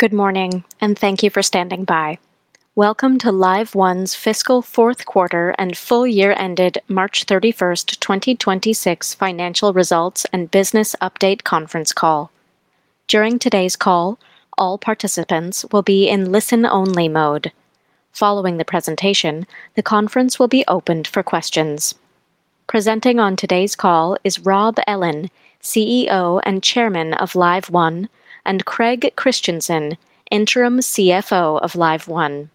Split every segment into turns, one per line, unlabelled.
Good morning, and thank you for standing by. Welcome to LiveOne's fiscal fourth quarter and full year ended March 31st, 2026 financial results and business update conference call. During today's call, all participants will be in listen-only mode. Following the presentation, the conference will be opened for questions. Presenting on today's call is Rob Ellin, CEO and Chairman of LiveOne, and Craig Christensen, Interim CFO of LiveOne.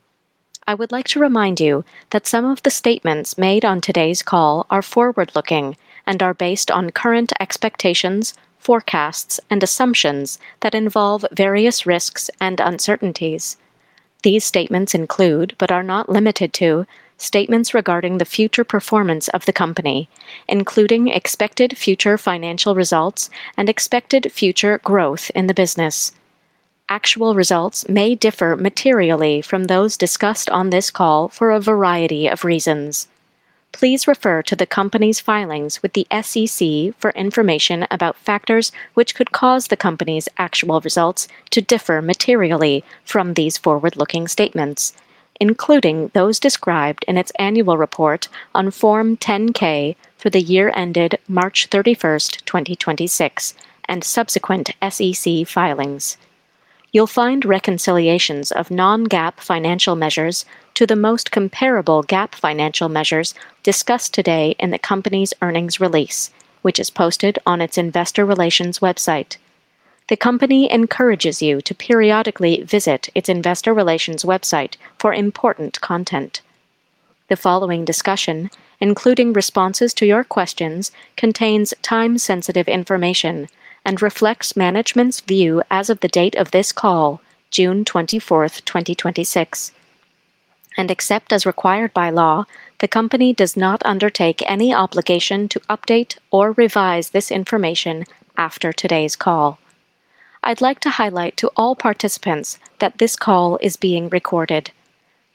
I would like to remind you that some of the statements made on today's call are forward-looking and are based on current expectations, forecasts, and assumptions that involve various risks and uncertainties. These statements include, but are not limited to, statements regarding the future performance of the company, including expected future financial results and expected future growth in the business. Actual results may differ materially from those discussed on this call for a variety of reasons. Please refer to the company's filings with the SEC for information about factors which could cause the company's actual results to differ materially from these forward-looking statements, including those described in its annual report on Form 10-K for the year ended March 31st, 2026, and subsequent SEC filings. You'll find reconciliations of non-GAAP financial measures to the most comparable GAAP financial measures discussed today in the company's earnings release, which is posted on its investor relations website. The company encourages you to periodically visit its investor relations website for important content. The following discussion, including responses to your questions, contains time-sensitive information and reflects management's view as of the date of this call, June 24th, 2026. Except as required by law, the company does not undertake any obligation to update or revise this information after today's call. I'd like to highlight to all participants that this call is being recorded.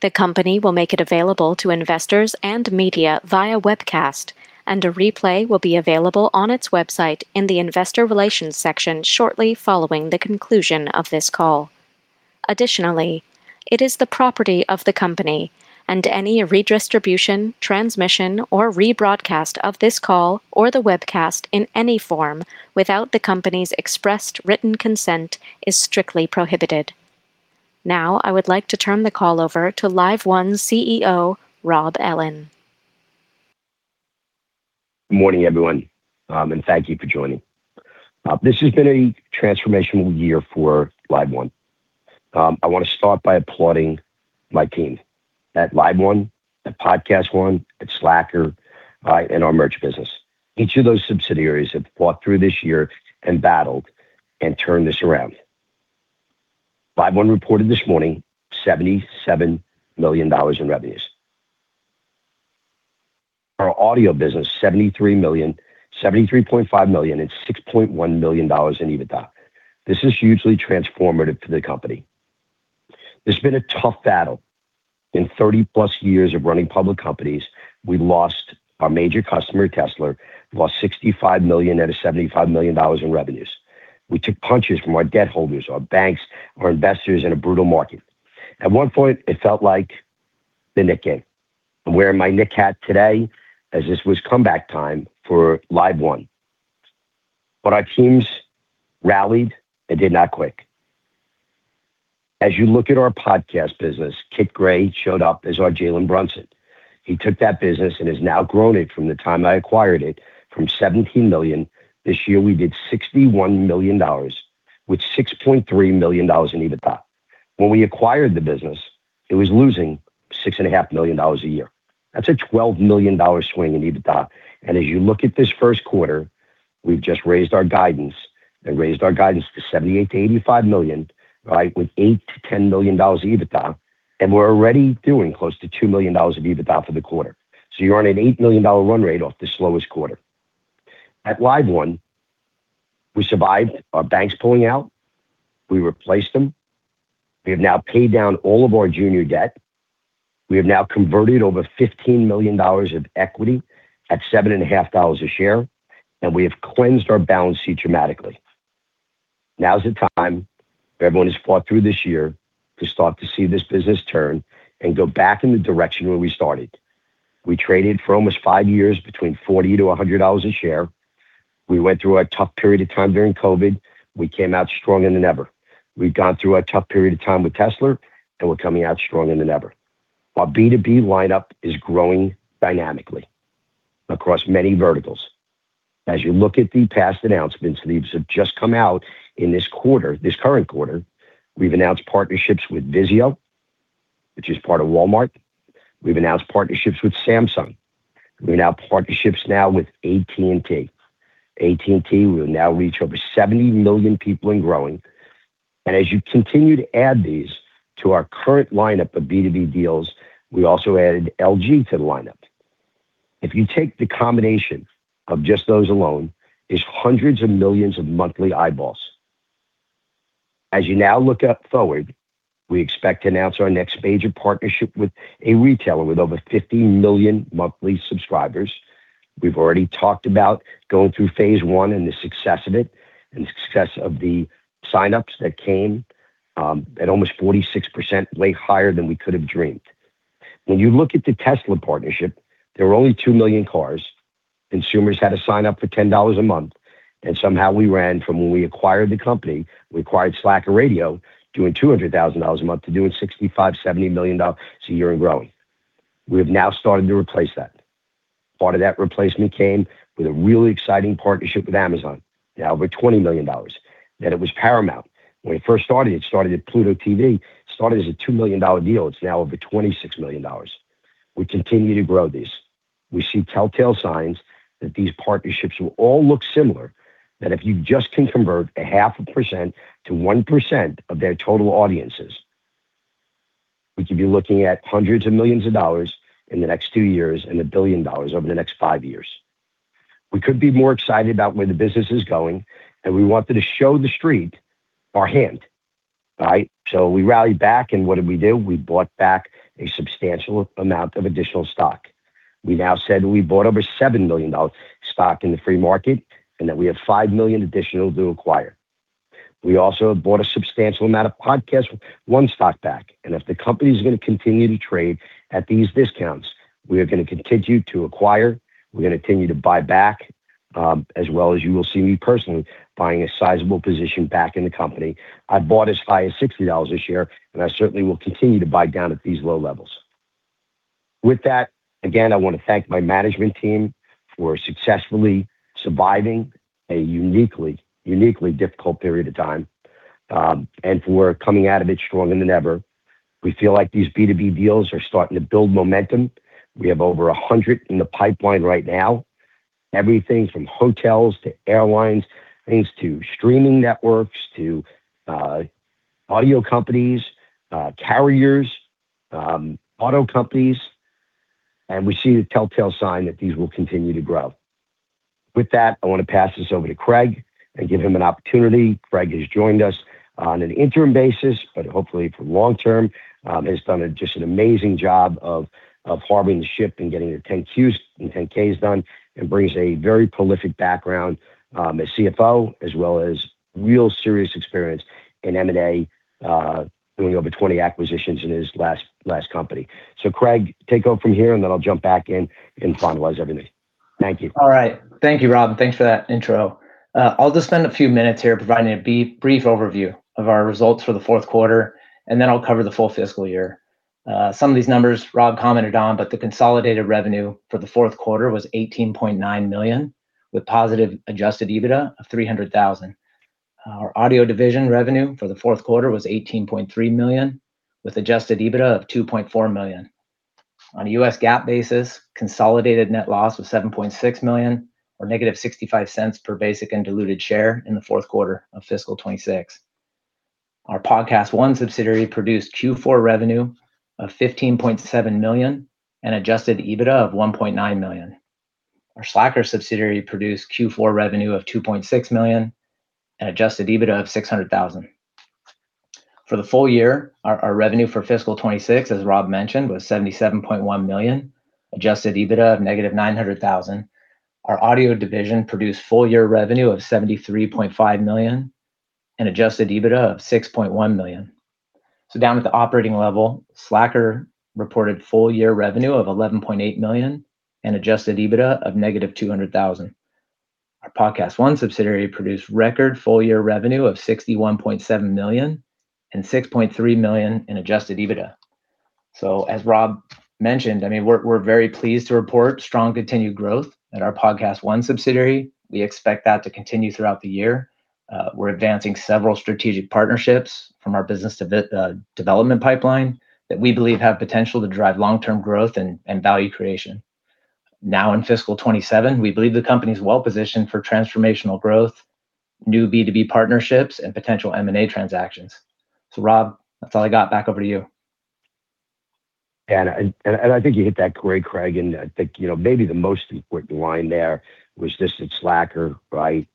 The company will make it available to investors and media via webcast, and a replay will be available on its website in the investor relations section shortly following the conclusion of this call. Additionally, it is the property of the company, and any redistribution, transmission, or rebroadcast of this call or the webcast in any form without the company's expressed written consent is strictly prohibited. Now, I would like to turn the call over to LiveOne's CEO, Rob Ellin.
Good morning, everyone, and thank you for joining. This has been a transformational year for LiveOne. I want to start by applauding my team at LiveOne, at PodcastOne, at Slacker, and our merch business. Each of those subsidiaries have fought through this year and battled and turned this around. LiveOne reported this morning $77 million in revenues. Our audio business, $73 million, $73.5 million and $6.1 million in EBITDA. This is hugely transformative for the company. It's been a tough battle. In 30-plus years of running public companies, we lost our major customer, Tesla. We lost $65 million out of $75 million in revenues. We took punches from our debt holders, our banks, our investors in a brutal market. At one point, it felt like the Knicks game. I'm wearing my Knicks hat today as this was comeback time for LiveOne. Our teams rallied and did not quit. As you look at our podcast business, Kit Gray showed up as our Jalen Brunson. He took that business and has now grown it from the time I acquired it from $17 million, this year, we did $61 million, with $6.3 million in EBITDA. When we acquired the business, it was losing $6.5 million a year. That's a $12 million swing in EBITDA. As you look at this first quarter, we've just raised our guidance and raised our guidance to $78 million-$85 million with $8 million-$10 million of EBITDA, and we're already doing close to $2 million of EBITDA for the quarter. You're on an $8 million run rate off the slowest quarter. At LiveOne, we survived our banks pulling out. We replaced them. We have now paid down all of our junior debt. We have now converted over $15 million of equity at $7.5 a share. We have cleansed our balance sheet dramatically. Now is the time everyone has fought through this year to start to see this business turn and go back in the direction where we started. We traded for almost five years between $40-$100 a share. We went through a tough period of time during COVID. We came out stronger than ever. We've gone through a tough period of time with Tesla, and we're coming out stronger than ever. Our B2B lineup is growing dynamically across many verticals. As you look at the past announcements that have just come out in this quarter, this current quarter, we've announced partnerships with Vizio, which is part of Walmart. We've announced partnerships with Samsung. We've announced partnerships now with AT&T. AT&T will now reach over 70 million people and growing. As you continue to add these to our current lineup of B2B deals, we also added LG to the lineup. If you take the combination of just those alone, there's hundreds of millions of monthly eyeballs. As you now look up forward, we expect to announce our next major partnership with a retailer with over 50 million monthly subscribers. We've already talked about going through phase one and the success of it, and the success of the sign-ups that came at almost 46%, way higher than we could have dreamed. When you look at the Tesla partnership, there were only 2 million cars. Consumers had to sign up for $10 a month, and somehow we ran from when we acquired the company, we acquired Slacker Radio, doing $200,000 a month to doing $65 million-$70 million a year and growing. We have now started to replace that. Part of that replacement came with a really exciting partnership with Amazon, now over $20 million, that it was paramount. When it first started, it started at Pluto TV. It started as a $2 million deal. It's now over $26 million. We continue to grow these. We see telltale signs that these partnerships will all look similar, that if you just can convert a half a percent to 1% of their total audiences, we could be looking at hundreds of millions of dollars in the next two years and $1 billion over the next five years. We couldn't be more excited about where the business is going. We wanted to show the street our hand. Right? We rallied back. What did we do? We bought back a substantial amount of additional stock. We now said we bought over $7 million stock in the free market and that we have $5 million additional to acquire. We also have bought a substantial amount of PodcastOne stock back. If the company is going to continue to trade at these discounts, we are going to continue to acquire, we're going to continue to buy back, as well as you will see me personally buying a sizable position back in the company. I bought as high as $60 a share, and I certainly will continue to buy down at these low levels. With that, again, I want to thank my management team for successfully surviving a uniquely difficult period of time, and for coming out of it stronger than ever. We feel like these B2B deals are starting to build momentum. We have over 100 in the pipeline right now. Everything from hotels to airlines, things to streaming networks, to audio companies, carriers, auto companies. We see the telltale sign that these will continue to grow. With that, I want to pass this over to Craig and give him an opportunity. Craig has joined us on an interim basis, but hopefully for long-term, has done just an amazing job of harboring the ship and getting the 10-Qs and 10-Ks done, and brings a very prolific background as CFO, as well as real serious experience in M&A, doing over 20 acquisitions in his last company. Craig, take over from here, and then I'll jump back in and finalize everything. Thank you.
All right. Thank you, Rob, and thanks for that intro. I'll just spend a few minutes here providing a brief overview of our results for the fourth quarter, and then I'll cover the full fiscal year. Some of these numbers Rob commented on, the consolidated revenue for the fourth quarter was $18.9 million, with positive adjusted EBITDA of $300,000. Our audio division revenue for the fourth quarter was $18.3 million, with adjusted EBITDA of $2.4 million. On a U.S. GAAP basis, consolidated net loss was $7.6 million or negative $0.65 per basic and diluted share in the fourth quarter of fiscal 2026. Our PodcastOne subsidiary produced Q4 revenue of $15.7 million and adjusted EBITDA of $1.9 million. Our Slacker subsidiary produced Q4 revenue of $2.6 million and adjusted EBITDA of $600,000. For the full year, our revenue for fiscal 2026, as Rob mentioned, was $77.1 million, adjusted EBITDA of negative $900,000. Our audio division produced full year revenue of $73.5 million and adjusted EBITDA of $6.1 million. Down at the operating level, Slacker reported full year revenue of $11.8 million and adjusted EBITDA of negative $200,000. Our PodcastOne subsidiary produced record full year revenue of $61.7 million and $6.3 million in adjusted EBITDA. As Rob mentioned, we're very pleased to report strong continued growth at our PodcastOne subsidiary. We expect that to continue throughout the year. We're advancing several strategic partnerships from our business development pipeline that we believe have potential to drive long-term growth and value creation. In fiscal 2027, we believe the company's well-positioned for transformational growth, new B2B partnerships, and potential M&A transactions. Rob, that's all I got. Back over to you.
I think you hit that great, Craig, I think maybe the most important line there was just at Slacker, right.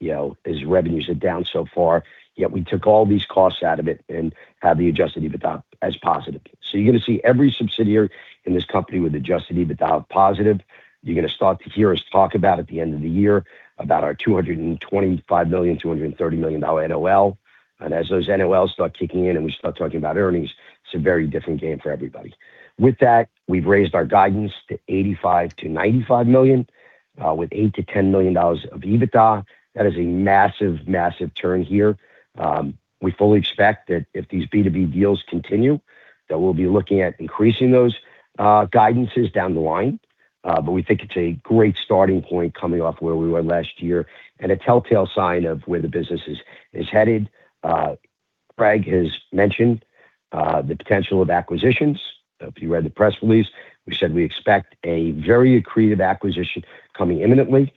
Revenues are down so far, yet we took all these costs out of it and have the adjusted EBITDA as positive. You're going to see every subsidiary in this company with adjusted EBITDA positive. You're going to start to hear us talk about at the end of the year about our $225 million, $230 million NOL, and as those NOLs start kicking in and we start talking about earnings, it's a very different game for everybody. With that, we've raised our guidance to $85 million-$95 million, with $8 million-$10 million of EBITDA. That is a massive turn here. We fully expect that if these B2B deals continue, that we'll be looking at increasing those guidances down the line. We think it's a great starting point coming off where we were last year and a telltale sign of where the business is headed. Craig has mentioned the potential of acquisitions. If you read the press release, we said we expect a very accretive acquisition coming imminently.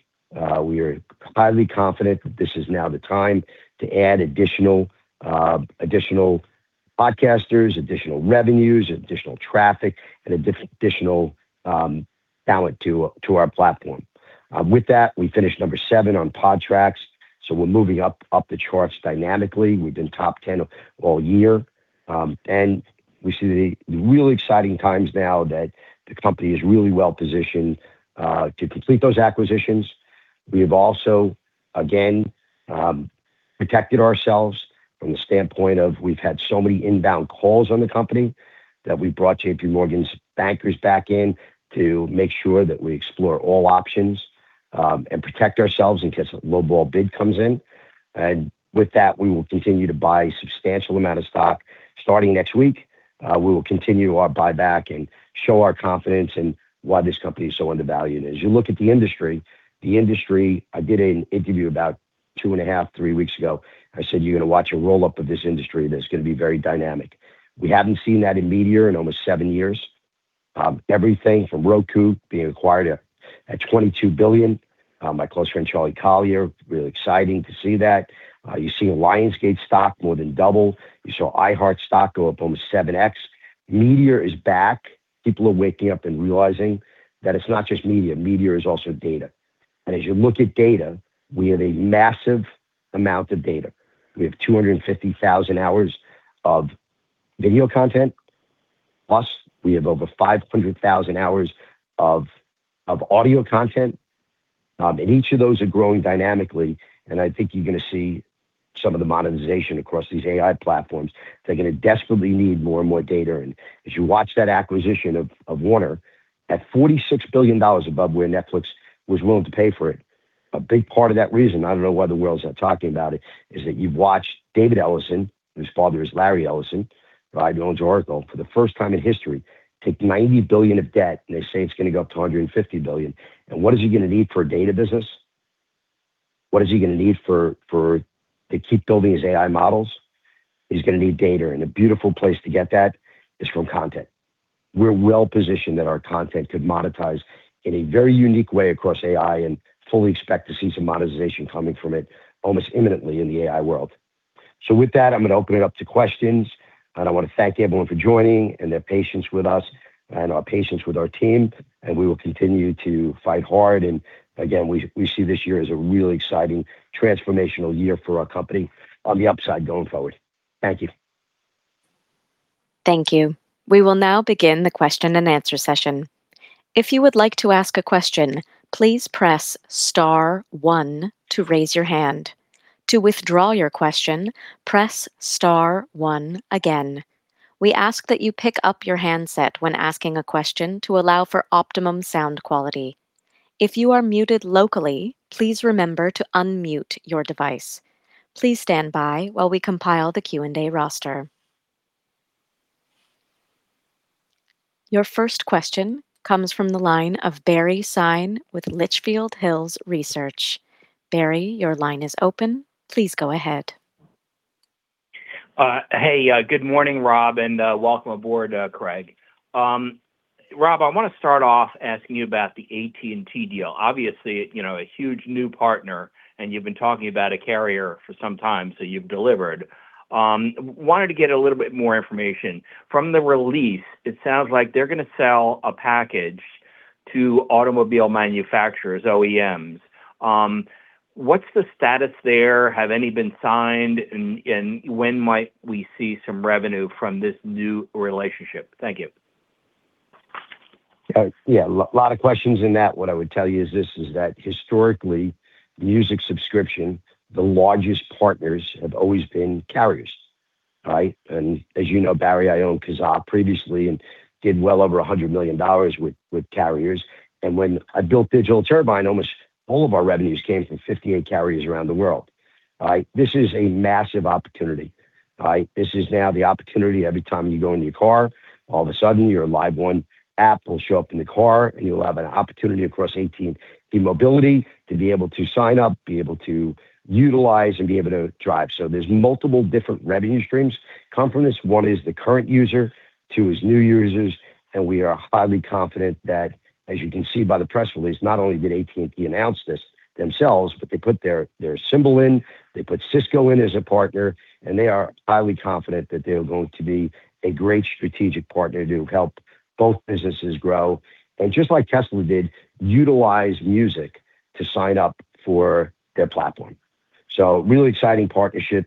We are highly confident that this is now the time to add additional podcasters, additional revenues, additional traffic, and additional talent to our platform. With that, we finished number seven on Podtrac. We're moving up the charts dynamically. We've been top 10 all year, and we see the really exciting times now that the company is really well-positioned to complete those acquisitions. We have also, again, protected ourselves from the standpoint of we've had so many inbound calls on the company that we brought JPMorgan's bankers back in to make sure that we explore all options, and protect ourselves in case a lowball bid comes in. With that, we will continue to buy a substantial amount of stock starting next week. We will continue our buyback and show our confidence in why this company is so undervalued. You look at the industry, I did an interview about two and a half, three weeks ago. I said, "You're going to watch a roll-up of this industry that's going to be very dynamic." We haven't seen that in media in almost seven years. Everything from Roku being acquired at $22 billion. My close friend Charlie Collier, really exciting to see that. You see Lionsgate stock more than double. You saw iHeart stock go up almost 7X. Media is back. People are waking up and realizing that it's not just media. Media is also data. As you look at data, we have a massive amount of data. We have 250,000 hours of video content, plus we have over 500,000 hours of audio content. Each of those are growing dynamically, and I think you're going to see some of the monetization across these AI platforms. They're going to desperately need more and more data. As you watch that acquisition of Warner at $46 billion above where Netflix was willing to pay for it, a big part of that reason, I don't know why the world's not talking about it, is that you've watched David Ellison, whose father is Larry Ellison, who owns Oracle, for the first time in history, take $90 billion of debt, and they say it's going to go up to $150 billion. What is he going to need for a data business? What is he going to need to keep building his AI models? He's going to need data, and a beautiful place to get that is from content. We're well-positioned that our content could monetize in a very unique way across AI and fully expect to see some monetization coming from it almost imminently in the AI world. With that, I'm going to open it up to questions, I want to thank everyone for joining and their patience with us and our patience with our team, we will continue to fight hard. Again, we see this year as a really exciting, transformational year for our company on the upside going forward. Thank you.
Thank you. We will now begin the question and answer session. If you would like to ask a question, please press star one to raise your hand. To withdraw your question, press star one again. We ask that you pick up your handset when asking a question to allow for optimum sound quality. If you are muted locally, please remember to unmute your device. Please stand by while we compile the Q&A roster. Your first question comes from the line of Barry Sine with Litchfield Hills Research. Barry, your line is open. Please go ahead.
Hey, good morning, Rob, and welcome aboard, Craig. Rob, I want to start off asking you about the AT&T deal. Obviously, a huge new partner, you've been talking about a carrier for some time, so you've delivered. Wanted to get a little bit more information. From the release, it sounds like they're going to sell a package to automobile manufacturers, OEMs. What's the status there? Have any been signed? When might we see some revenue from this new relationship? Thank you.
Yeah. A lot of questions in that. What I would tell you is this, is that historically, music subscription, the largest partners have always been carriers. Right? As you know, Barry, I owned Kazaa previously and did well over $100 million with carriers. When I built Digital Turbine, almost all of our revenues came from 58 carriers around the world. Right? This is a massive opportunity. Right? This is now the opportunity every time you go into your car, all of a sudden, your LiveOne app will show up in the car, and you'll have an opportunity across AT&T Mobility to be able to sign up, be able to utilize, and be able to drive. There's multiple different revenue streams come from this. One is the current user, two is new users, we are highly confident that, as you can see by the press release, not only did AT&T announce this themselves, they put their symbol in. They put Cisco in as a partner, they are highly confident that they're going to be a great strategic partner to help both businesses grow. Just like Tesla did, utilize music to sign up for their platform. Really exciting partnership,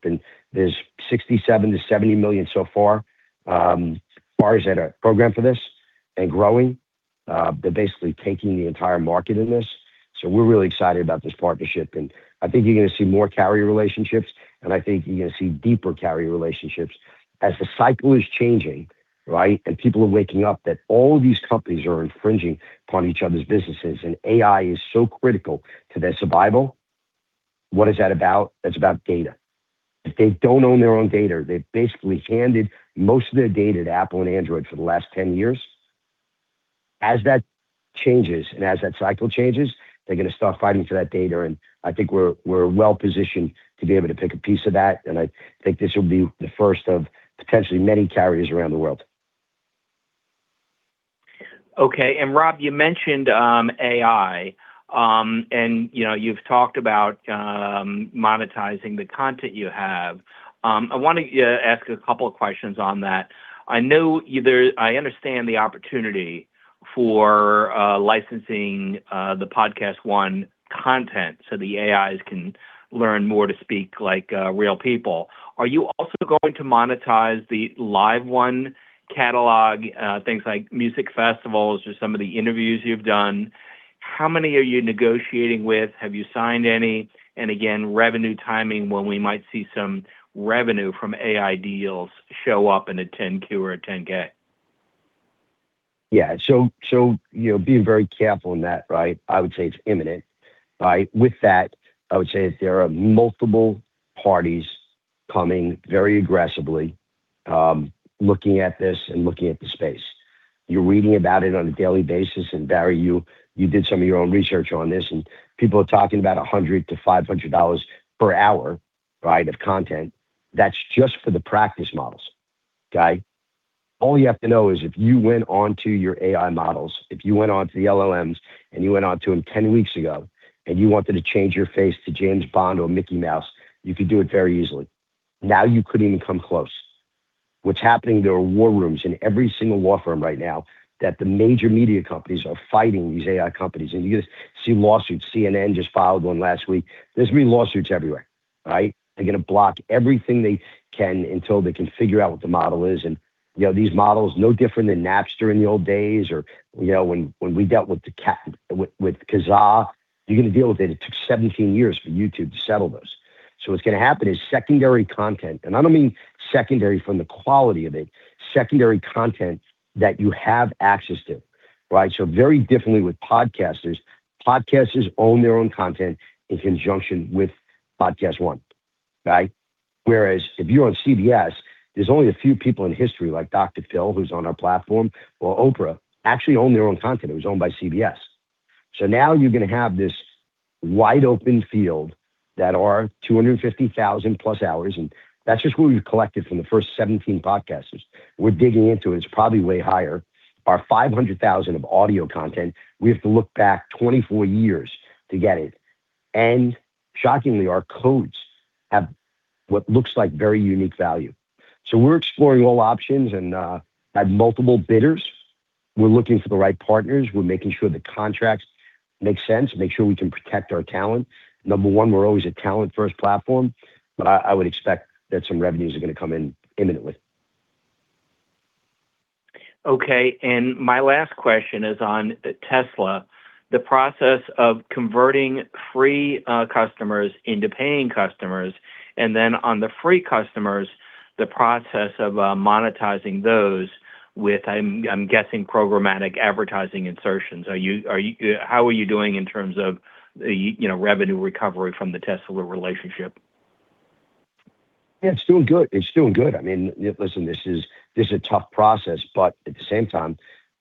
there's 67-70 million so far has had a program for this and growing. They're basically taking the entire market in this. We're really excited about this partnership, I think you're going to see more carrier relationships, I think you're going to see deeper carrier relationships as the cycle is changing, right, people are waking up that all these companies are infringing upon each other's businesses, AI is so critical to their survival. What is that about? That's about data. If they don't own their own data, they've basically handed most of their data to Apple and Android for the last 10 years. As that changes and as that cycle changes, they're going to start fighting for that data, I think we're well-positioned to be able to take a piece of that, I think this will be the first of potentially many carriers around the world
Okay. Rob, you mentioned AI, you've talked about monetizing the content you have. I want to ask a couple of questions on that. I understand the opportunity for licensing the PodcastOne content so the AIs can learn more to speak like real people. Are you also going to monetize the LiveOne catalog, things like music festivals or some of the interviews you've done? How many are you negotiating with? Have you signed any? Again, revenue timing, when we might see some revenue from AI deals show up in a 10-Q or a 10-K?
Yeah. Being very careful in that, I would say it's imminent. With that, I would say that there are multiple parties coming very aggressively, looking at this and looking at the space. You're reading about it on a daily basis, and Barry, you did some of your own research on this, and people are talking about $100-$500 per hour of content. That's just for the practice models. All you have to know is if you went onto your AI models, if you went onto the LLMs and you went onto them 10 weeks ago and you wanted to change your face to James Bond or Mickey Mouse, you could do it very easily. Now you couldn't even come close. What's happening, there are war rooms in every single law firm right now that the major media companies are fighting these AI companies, and you're going to see lawsuits. CNN just filed one last week. There's going to be lawsuits everywhere. They're going to block everything they can until they can figure out what the model is. These models are no different than Napster in the old days or when we dealt with Kazaa. You're going to deal with it. It took 17 years for YouTube to settle this. What's going to happen is secondary content, and I don't mean secondary from the quality of it, secondary content that you have access to. Very differently with podcasters. Podcasters own their own content in conjunction with PodcastOne. Whereas if you're on CBS, there's only a few people in history like Dr. Phil who's on our platform or Oprah actually own their own content. It was owned by CBS. Now you're going to have this wide-open field that are 250,000-plus hours, and that's just what we've collected from the first 17 podcasters. We're digging into it. It's probably way higher. Our 500,000 of audio content, we have to look back 24 years to get it. Shockingly, our codes have what looks like very unique value. We're exploring all options and have multiple bidders. We're looking for the right partners. We're making sure the contracts make sense, make sure we can protect our talent. Number one, we're always a talent-first platform, but I would expect that some revenues are going to come in imminently.
Okay, my last question is on Tesla, the process of converting free customers into paying customers, and then on the free customers, the process of monetizing those with, I'm guessing, programmatic advertising insertions. How are you doing in terms of the revenue recovery from the Tesla relationship?
Yeah, it is doing good. Listen, this is a tough process, but at the same time,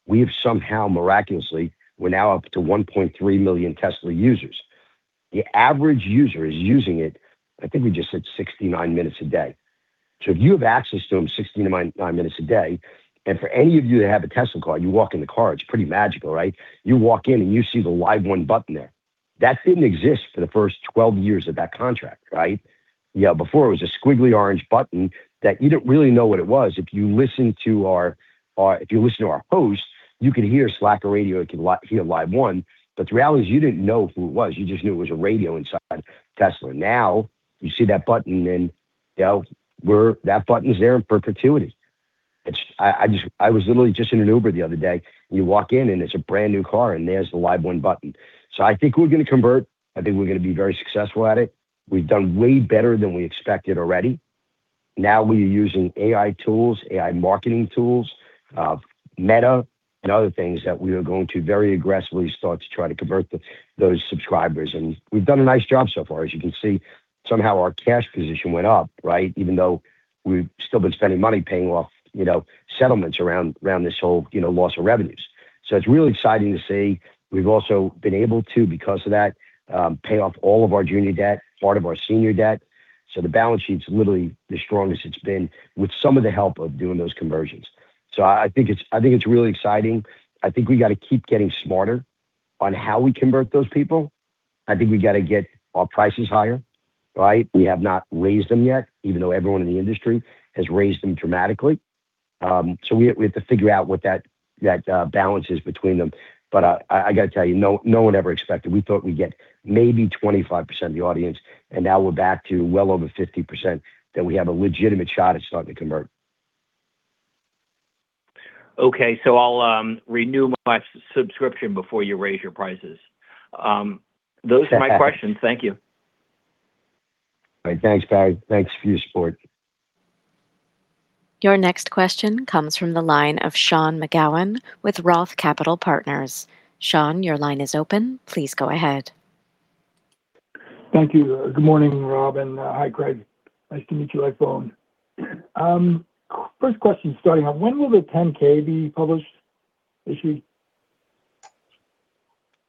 we have somehow, miraculously, we are now up to 1.3 million Tesla users. The average user is using it, I think we just said 69 minutes a day. If you have access to them 69 minutes a day, and for any of you that have a Tesla car, you walk in the car, it is pretty magical. You walk in and you see the LiveOne button there. That did not exist for the first 12 years of that contract. Before it was a squiggly orange button that you did not really know what it was. If you listen to our hosts, you could hear Slacker Radio, you could hear LiveOne. The reality is you did not know who it was. You just knew it was a radio inside Tesla. You see that button and now that button is there in perpetuity. I was literally just in an Uber the other day, and you walk in and it is a brand-new car and there is the LiveOne button. I think we are going to convert. I think we are going to be very successful at it. We have done way better than we expected already. We are using AI tools, AI marketing tools, Meta and other things that we are going to very aggressively start to try to convert those subscribers. We have done a nice job so far. As you can see, somehow our cash position went up, even though we have still been spending money paying off settlements around this whole loss of revenues. It is really exciting to see. We have also been able to, because of that, pay off all of our junior debt, part of our senior debt. The balance sheet is literally the strongest it has been with some of the help of doing those conversions. I think it is really exciting. I think we have got to keep getting smarter on how we convert those people. I think we have got to get our prices higher. We have not raised them yet, even though everyone in the industry has raised them dramatically. We have to figure out what that balance is between them. I have got to tell you, no one ever expected. We thought we would get maybe 25% of the audience, and now we are back to well over 50% that we have a legitimate shot at starting to convert.
Okay. I will renew my subscription before you raise your prices. Those are my questions. Thank you.
All right. Thanks, Barry. Thanks for your support.
Your next question comes from the line of Sean McGowan with Roth Capital Partners. Sean, your line is open. Please go ahead.
Thank you. Good morning, Rob, and hi Craig. Nice to meet you both. First question starting off, when will the 10-K be published, issued?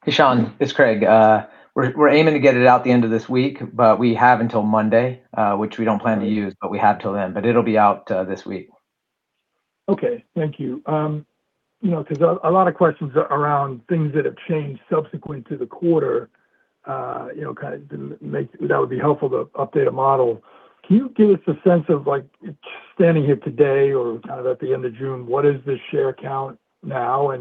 Sean, it's Craig. We're aiming to get it out the end of this week, but we have until Monday, which we don't plan to use, but we have till then. It'll be out this week.
Okay. Thank you. A lot of questions around things that have changed subsequent to the quarter, kind of that would be helpful to update a model. Can you give us a sense of standing here today or kind of at the end of June, what is the share count now?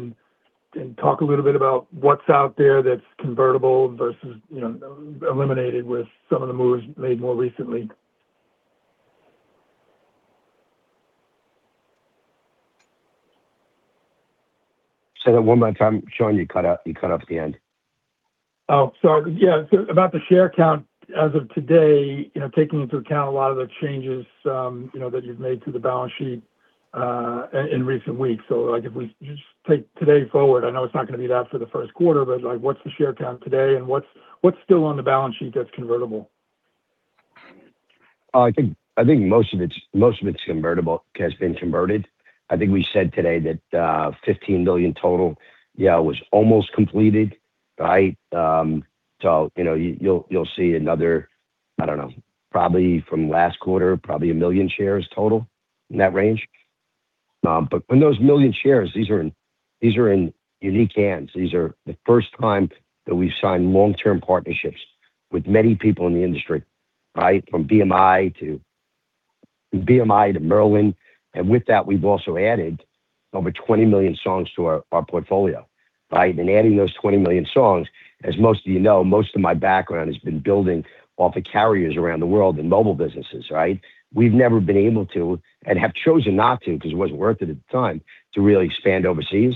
Talk a little bit about what's out there that's convertible versus eliminated with some of the moves made more recently.
Say that one more time, Sean, you cut off at the end.
Sorry. About the share count as of today, taking into account a lot of the changes that you've made to the balance sheet in recent weeks. If we just take today forward, I know it's not going to be that for the first quarter, what's the share count today and what's still on the balance sheet that's convertible?
I think most of it that's convertible has been converted. I think we said today that 15 million total was almost completed, right? You'll see another, I don't know, probably from last quarter, probably 1 million shares total in that range. In those 1 million shares, these are in unique hands. These are the first time that we've signed long-term partnerships with many people in the industry, right? From BMI to Merlin, with that, we've also added over 20 million songs to our portfolio, right? In adding those 20 million songs, as most of you know, most of my background has been building off of carriers around the world and mobile businesses, right? We've never been able to and have chosen not to because it wasn't worth it at the time to really expand overseas.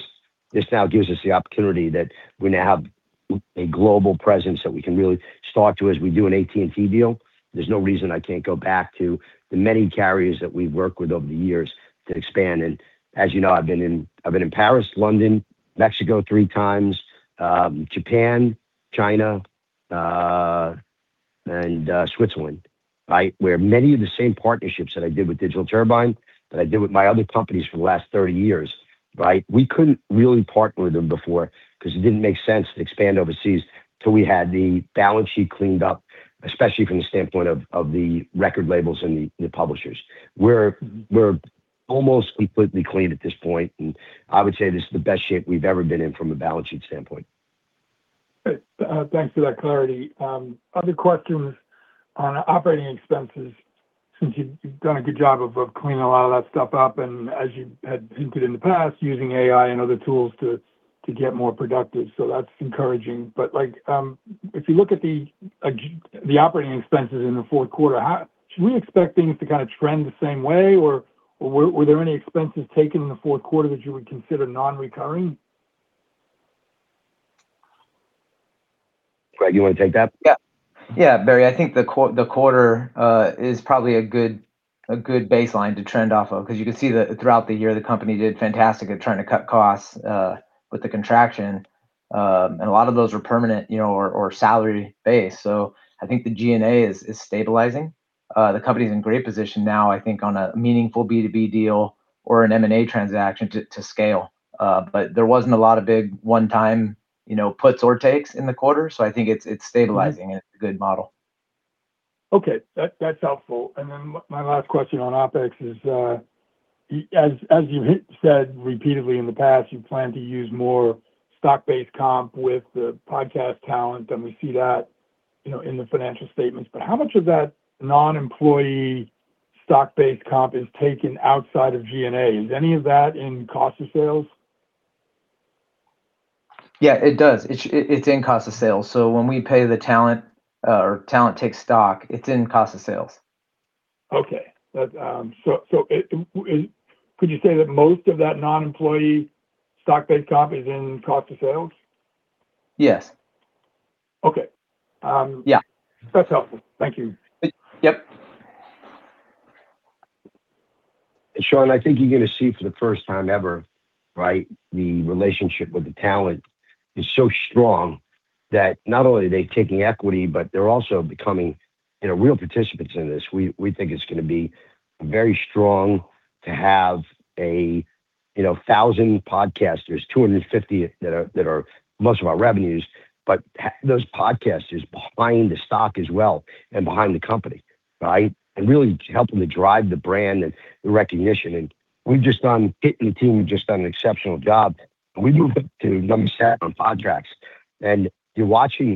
This now gives us the opportunity that we now have a global presence that we can really start to, as we do an AT&T deal. There's no reason I can't go back to the many carriers that we've worked with over the years to expand. As you know, I've been in Paris, London, Mexico three times, Japan, China, and Switzerland where many of the same partnerships that I did with Digital Turbine, that I did with my other companies for the last 30 years, right? We couldn't really partner with them before because it didn't make sense to expand overseas till we had the balance sheet cleaned up, especially from the standpoint of the record labels and the publishers. We're almost completely clean at this point, and I would say this is the best shape we've ever been in from a balance sheet standpoint.
Good. Thanks for that clarity. Other question was on operating expenses, since you've done a good job of cleaning a lot of that stuff up and as you had hinted in the past, using AI and other tools to get more productive. That's encouraging. If you look at the operating expenses in the fourth quarter, should we expect things to kind of trend the same way? Or were there any expenses taken in the fourth quarter that you would consider non-recurring?
Craig, you want to take that?
Yeah. Barry, I think the quarter is probably a good baseline to trend off of because you can see that throughout the year, the company did fantastic at trying to cut costs with the contraction. A lot of those were permanent or salary-based. I think the G&A is stabilizing. The company's in great position now, I think, on a meaningful B2B deal or an M&A transaction to scale. There wasn't a lot of big one-time puts or takes in the quarter, I think it's stabilizing and it's a good model.
My last question on OpEx is, as you've said repeatedly in the past, you plan to use more stock-based comp with the podcast talent, and we see that in the financial statements. How much of that non-employee stock-based comp is taken outside of G&A? Is any of that in cost of sales?
Yeah, it does. It's in cost of sales. When we pay the talent or talent takes stock, it's in cost of sales.
Could you say that most of that non-employee stock-based comp is in cost of sales?
Yes.
Okay.
Yeah.
That's helpful. Thank you.
Yep.
Sean, I think you're going to see for the first time ever, the relationship with the talent is so strong that not only are they taking equity, but they're also becoming real participants in this. We think it's going to be very strong to have 1,000 podcasters, 250 that are most of our revenues, but those podcasters behind the stock as well and behind the company, right? Really helping to drive the brand and the recognition. Kit and the team have just done an exceptional job. We moved up to number seven on podcasts. You're watching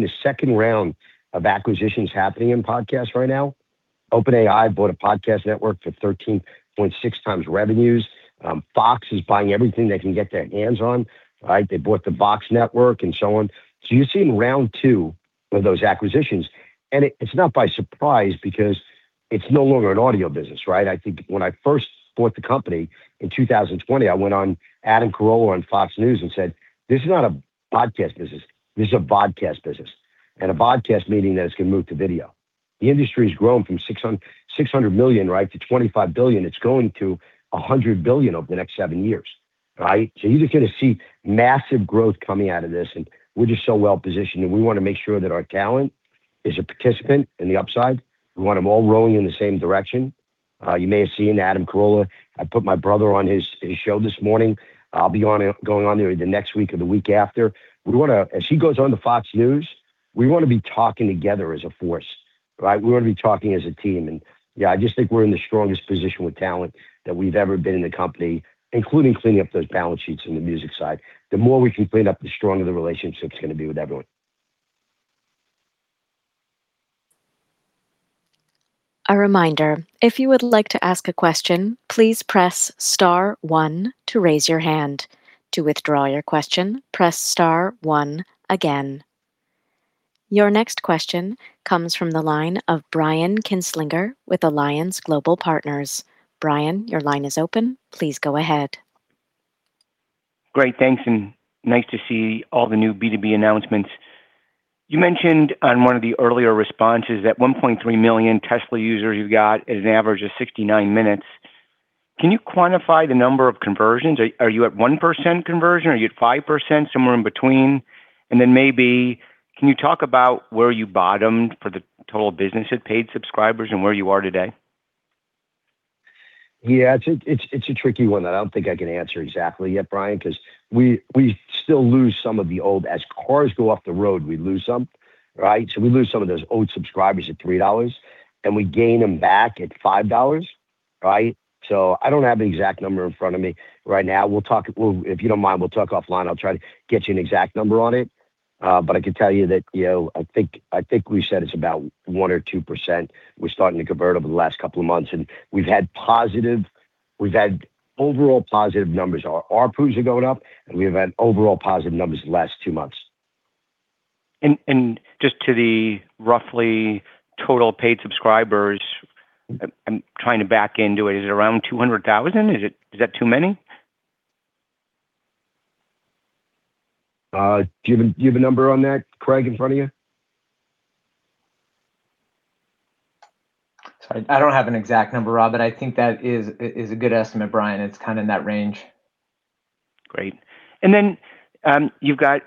the second round of acquisitions happening in podcasts right now. OpenAI bought a podcast network for 13.6 times revenues. Fox is buying everything they can get their hands on, right? They bought The Box and so on. You're seeing round two of those acquisitions, and it's not by surprise because it's no longer an audio business, right? I think when I first bought the company in 2020, I went on Adam Carolla on Fox News and said, "This is not a podcast business. This is a vodcast business." A vodcast, meaning that it's going to move to video. The industry's grown from $600 million-$25 billion. It's going to $100 billion over the next seven years, right? You're just going to see massive growth coming out of this, we're just so well-positioned, and we want to make sure that our talent is a participant in the upside. We want them all rowing in the same direction. You may have seen Adam Carolla. I put my brother on his show this morning. I'll be going on either next week or the week after. As he goes on to Fox News, we want to be talking together as a force. We want to be talking as a team. Yeah, I just think we're in the strongest position with talent that we've ever been in the company, including cleaning up those balance sheets on the music side. The more we can clean up, the stronger the relationship's going to be with everyone.
A reminder, if you would like to ask a question, please press star one to raise your hand. To withdraw your question, press star one again. Your next question comes from the line of Brian Kinstlinger with Alliance Global Partners. Brian, your line is open. Please go ahead.
Great, thanks. Nice to see all the new B2B announcements. You mentioned on one of the earlier responses that 1.3 million Tesla users you've got an average of 69 minutes. Can you quantify the number of conversions? Are you at 1% conversion? Are you at 5%? Somewhere in between? Then maybe can you talk about where you bottomed for the total business at paid subscribers and where you are today?
Yeah. It's a tricky one that I don't think I can answer exactly yet, Brian, because we still lose some of the old. As cars go off the road, we lose some. We lose some of those old subscribers at $3, and we gain them back at $5. I don't have an exact number in front of me right now. If you don't mind, we'll talk offline. I'll try to get you an exact number on it. I can tell you that I think we said it's about 1% or 2% we're starting to convert over the last couple of months. We've had overall positive numbers. Our ARPUs are going up, and we've had overall positive numbers the last two months.
Just to the roughly total paid subscribers, I'm trying to back into it. Is it around 200,000? Is that too many?
Do you have a number on that, Craig, in front of you?
Sorry, I don't have an exact number, Rob, but I think that is a good estimate, Brian. It's kind of in that range.
Great. Then you've got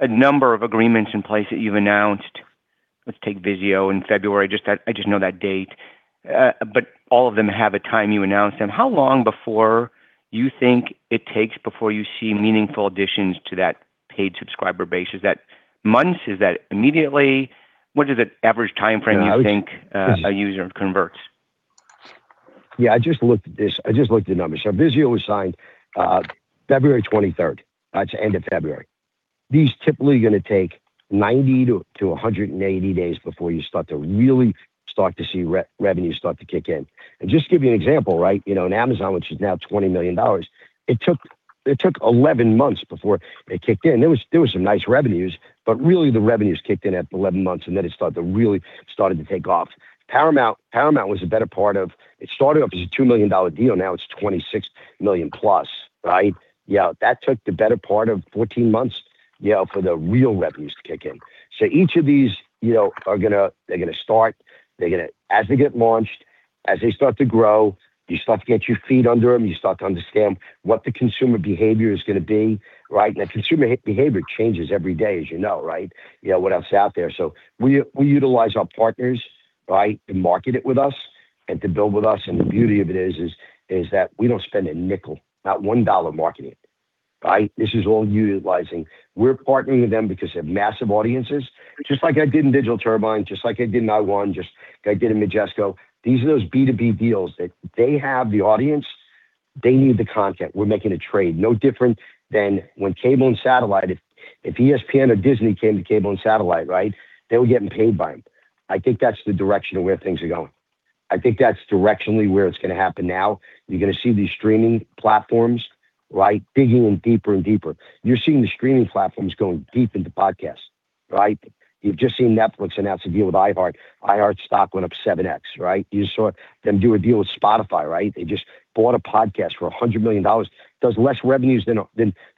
a number of agreements in place that you've announced. Let's take Vizio in February. I just know that date. All of them have a time you announced them. How long before you think it takes before you see meaningful additions to that paid subscriber base? Is that months? Is that immediately? What is the average timeframe you think a user converts?
Yeah, I just looked at the numbers. Vizio was signed February 23rd. That's the end of February. These typically are going to take 90-180 days before you start to really see revenue start to kick in. Just to give you an example. On Amazon, which is now $20 million, it took 11 months before it kicked in. There were some nice revenues, but really the revenues kicked in at 11 months, and then it started to really take off. Paramount was the better part of, it started off as a $2 million deal. Now it's $26 million plus. That took the better part of 14 months for the real revenues to kick in. Each of these, they're going to start. As they get launched, as they start to grow, you start to get your feet under them, you start to understand what the consumer behavior is going to be. The consumer behavior changes every day, as you know, with what else is out there. We utilize our partners to market it with us and to build with us. The beauty of it is that we don't spend a nickel, not $1 marketing it. This is all utilizing. We're partnering with them because they have massive audiences, just like I did in Digital Turbine, just like I did in iWon, just like I did in Majesco. These are those B2B deals that they have the audience, they need the content. We're making a trade. No different than when cable and satellite, if ESPN or Disney came to cable and satellite, they were getting paid by them. I think that's the direction of where things are going. I think that's directionally where it's going to happen now. You're going to see these streaming platforms digging in deeper and deeper. You're seeing the streaming platforms going deep into podcasts. You've just seen Netflix announce a deal with iHeart. iHeart's stock went up 7X. You just saw them do a deal with Spotify. They just bought a podcast for $100 million. Does less revenues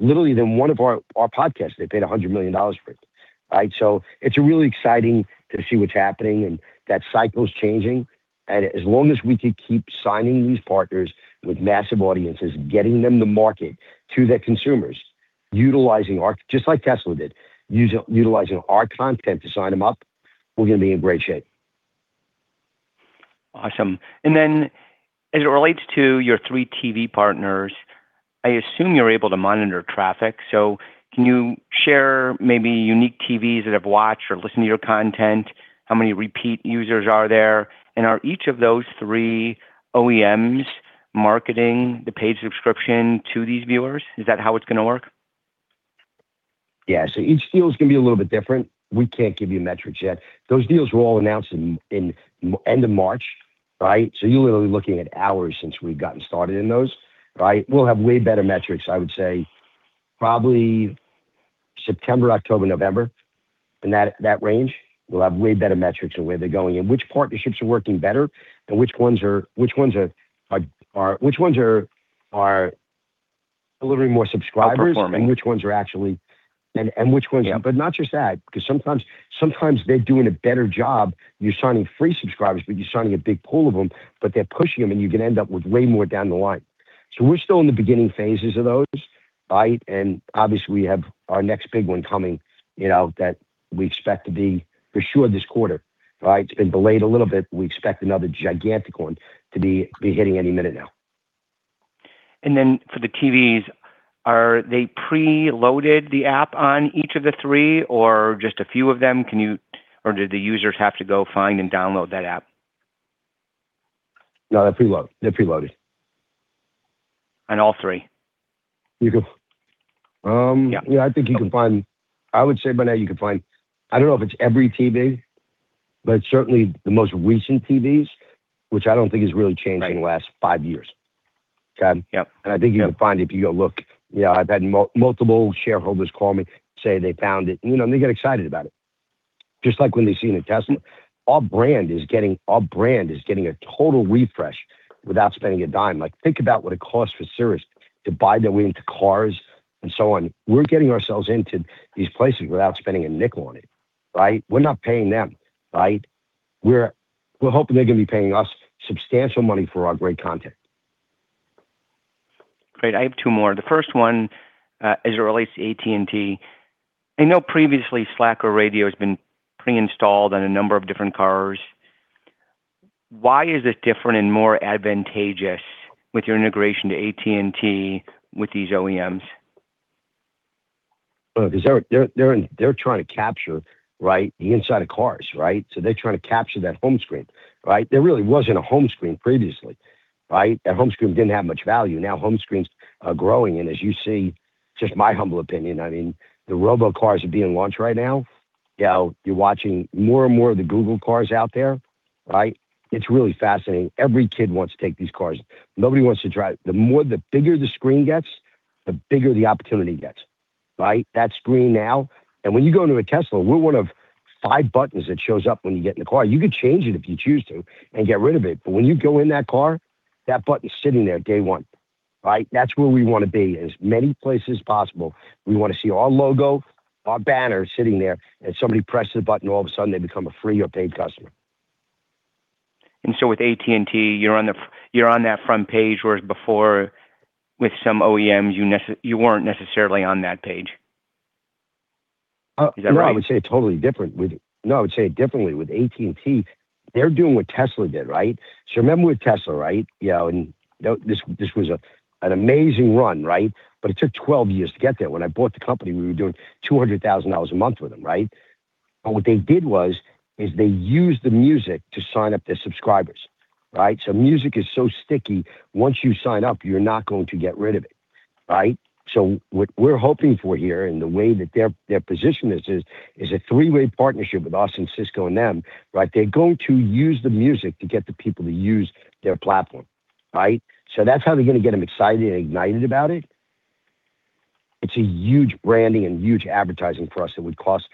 literally than one of our podcasts. They paid $100 million for it. It's really exciting to see what's happening, and that cycle's changing. As long as we could keep signing these partners with massive audiences, getting them to market to their consumers, just like Tesla did, utilizing our content to sign them up, we're going to be in great shape.
Awesome. As it relates to your three TV partners, I assume you're able to monitor traffic. Can you share maybe unique TVs that have watched or listened to your content? How many repeat users are there? Are each of those three OEMs marketing the paid subscription to these viewers? Is that how it's going to work?
Yeah. Each deal is going to be a little bit different. We can't give you metrics yet. Those deals were all announced in end of March. You're literally looking at hours since we've gotten started in those. We'll have way better metrics, I would say probably September, October, November. In that range, we'll have way better metrics of where they're going and which partnerships are working better and which ones are delivering more subscribers.
Outperforming
Which ones are actually.
Yeah
Not just that, because sometimes they're doing a better job. You're signing free subscribers, but you're signing a big pool of them, but they're pushing them, and you can end up with way more down the line. We're still in the beginning phases of those. Obviously we have our next big one coming that we expect to be for sure this quarter. It's been delayed a little bit. We expect another gigantic one to be hitting any minute now.
For the TVs, are they pre-loaded the app on each of the three or just a few of them? Did the users have to go find and download that app?
No, they're pre-loaded.
On all three?
I would say by now you can find, I don't know if it's every TV, but certainly the most recent TVs, which I don't think has really changed in the last five years. Okay.
Yep.
I think you can find it if you go look. I've had multiple shareholders call me, say they found it, and they get excited about it. Just like when they see in a Tesla. Our brand is getting a total refresh without spending a dime. Think about what it costs for SiriusXM to buy their way into cars and so on. We're getting ourselves into these places without spending a nickel on it. We're not paying them. We're hoping they're going to be paying us substantial money for our great content.
Great. I have two more. The first one is relates to AT&T. I know previously Slacker Radio has been pre-installed on a number of different cars. Why is this different and more advantageous with your integration to AT&T with these OEMs?
They're trying to capture the inside of cars. They're trying to capture that home screen. There really wasn't a home screen previously. That home screen didn't have much value. Now home screens are growing, as you see, just my humble opinion, the robo cars are being launched right now. You're watching more and more of the Google cars out there. It's really fascinating. Every kid wants to take these cars. Nobody wants to drive. The bigger the screen gets, the bigger the opportunity gets. That screen now, when you go into a Tesla, we're one of five buttons that shows up when you get in the car. You could change it if you choose to and get rid of it. When you go in that car, that button's sitting there day one. That's where we want to be. As many places as possible, we want to see our logo, our banner sitting there. Somebody presses a button, all of a sudden they become a free or paid customer.
With AT&T, you're on that front page, whereas before with some OEMs, you weren't necessarily on that page. Is that right?
No, I would say differently. With AT&T, they're doing what Tesla did. Remember with Tesla, this was an amazing run. It took 12 years to get there. When I bought the company, we were doing $200,000 a month with them. What they did was, they used the music to sign up their subscribers. Music is so sticky. Once you sign up, you're not going to get rid of it. What we're hoping for here, and the way that their position is a three-way partnership with us and Cisco and them. They're going to use the music to get the people to use their platform. That's how they're going to get them excited and ignited about it. It's a huge branding and huge advertising for us that would cost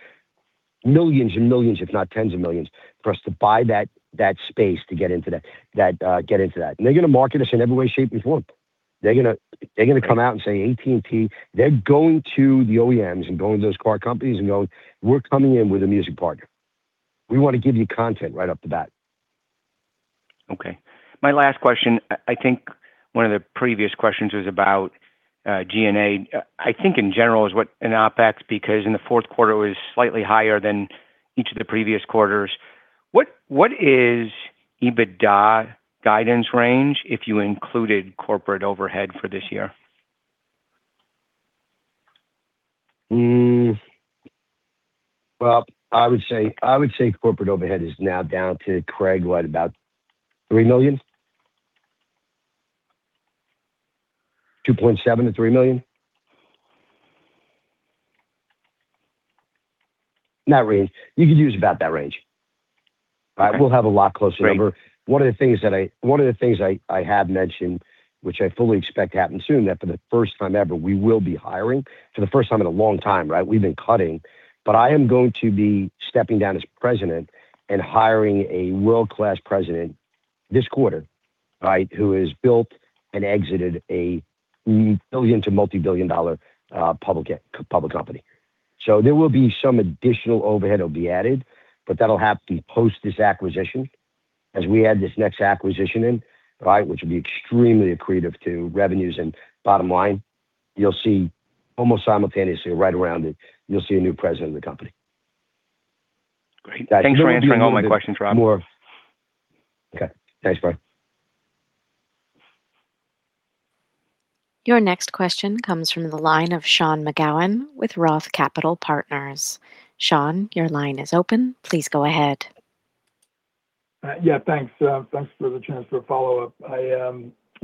millions and millions, if not tens of millions, for us to buy that space to get into that. They're going to market us in every way, shape, and form. They're going to come out and say AT&T. They're going to the OEMs and going to those car companies and going, "We're coming in with a music partner. We want to give you content right off the bat.
Okay. My last question, I think one of the previous questions was about G&A. I think in general is what, and OpEx, because in the fourth quarter, it was slightly higher than each of the previous quarters. What is EBITDA guidance range if you included corporate overhead for this year?
Well, I would say corporate overhead is now down to, Craig, what, about $3 million? $2.7 million-$3 million? In that range. You could use about that range.
Okay.
We'll have a lot closer number. One of the things I have mentioned, which I fully expect to happen soon, that for the first time ever, we will be hiring for the first time in a long time. We've been cutting, I am going to be stepping down as president and hiring a world-class president this quarter who has built and exited a $1 billion to multi-billion dollar public company. There will be some additional overhead that'll be added, that'll have to be post this acquisition. As we add this next acquisition in, which will be extremely accretive to revenues and bottom line, you'll see almost simultaneously, right around it, you'll see a new president of the company.
Great. Thanks for answering all my questions, Rob.
Okay. Thanks, Brian.
Your next question comes from the line of Sean McGowan with Roth Capital Partners. Sean, your line is open. Please go ahead.
Yeah. Thanks. Thanks for the chance for a follow-up.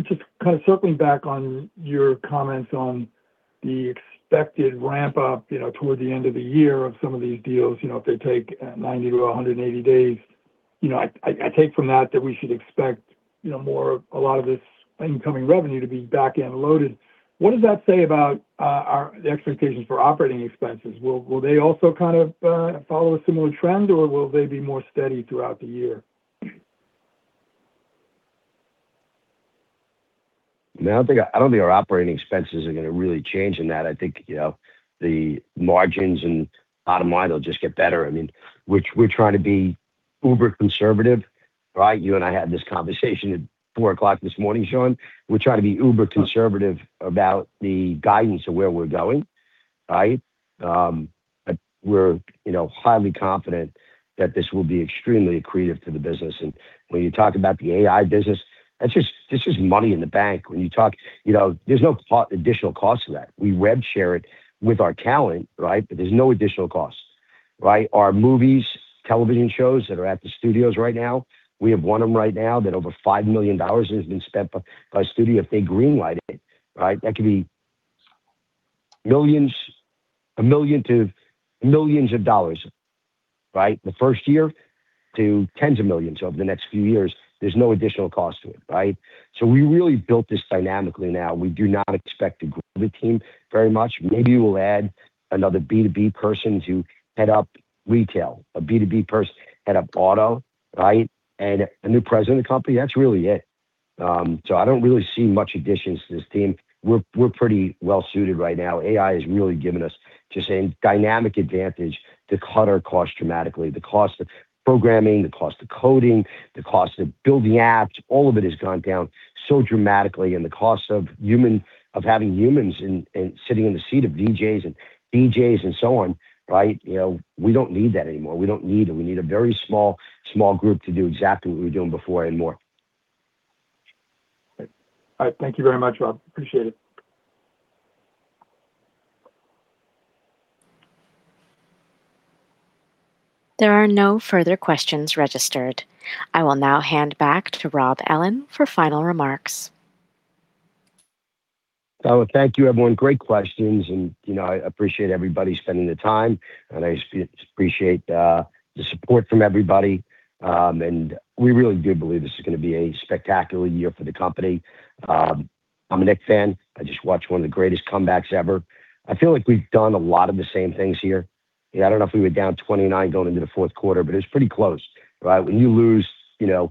Just kind of circling back on your comments on the expected ramp up toward the end of the year of some of these deals, if they take 90-180 days. I take from that we should expect a lot of this incoming revenue to be back-end loaded. What does that say about the expectations for operating expenses? Will they also kind of follow a similar trend, or will they be more steady throughout the year?
No, I don't think our operating expenses are going to really change in that. I think the margins and bottom line will just get better. We're trying to be uber conservative. You and I had this conversation at 4:00 A.M. this morning, Sean. We're trying to be uber conservative about the guidance of where we're going. We're highly confident that this will be extremely accretive to the business. When you talk about the AI business, that's just money in the bank. There's no additional cost to that. We web share it with our talent, but there's no additional cost. Our movies, television shows that are at the studios right now, we have one of them right now that over $5 million has been spent by a studio if they green-light it. That could be millions of dollars the first year to tens of millions over the next few years. There's no additional cost to it. We really built this dynamically now. We do not expect to grow the team very much. Maybe we'll add another B2B person to head up retail, a B2B person, head up auto, and a new president of the company. That's really it. I don't really see much additions to this team. We're pretty well-suited right now. AI has really given us just a dynamic advantage to cut our costs dramatically. The cost of programming, the cost of coding, the cost of building apps, all of it has gone down so dramatically, and the cost of having humans and sitting in the seat of DJs and so on, we don't need that anymore. We don't need them. We need a very small group to do exactly what we were doing before and more.
All right. Thank you very much, Rob. Appreciate it.
There are no further questions registered. I will now hand back to Rob Ellin for final remarks.
I want to thank you, everyone. Great questions. I appreciate everybody spending the time, and I appreciate the support from everybody. We really do believe this is going to be a spectacular year for the company. I'm a Knicks fan. I just watched one of the greatest comebacks ever. I feel like we've done a lot of the same things here. I don't know if we were down 29 going into the fourth quarter, but it was pretty close. When you lose your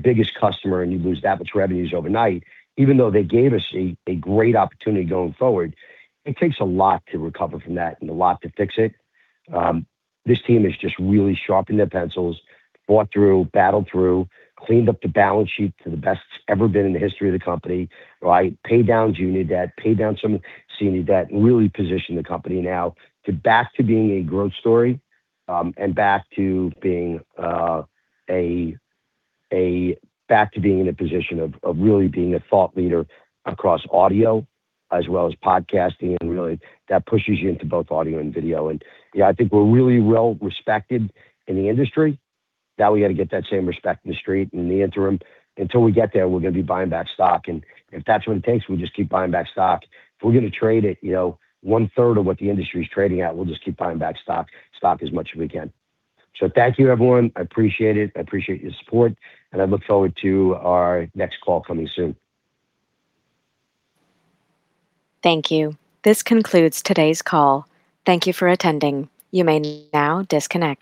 biggest customer and you lose that much revenues overnight, even though they gave us a great opportunity going forward, it takes a lot to recover from that and a lot to fix it. This team has just really sharpened their pencils, fought through, battled through, cleaned up the balance sheet to the best it's ever been in the history of the company. Paid down junior debt, paid down some senior debt, really positioned the company now to back to being a growth story, and back to being in a position of really being a thought leader across audio as well as podcasting, that pushes you into both audio and video. Yeah, I think we're really well respected in the industry. We got to get that same respect in The Street. In the interim, until we get there, we're going to be buying back stock, if that's what it takes, we just keep buying back stock. If we're going to trade at one-third of what the industry is trading at, we'll just keep buying back stock as much as we can. Thank you, everyone. I appreciate it. I appreciate your support, and I look forward to our next call coming soon.
Thank you. This concludes today's call. Thank you for attending. You may now disconnect.